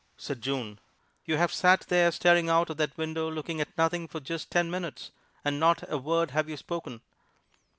said June; "you have sat there staring out of that window looking at nothing for just ten minutes, and not a word have you spoken!"